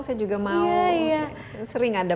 saya juga mau sering ada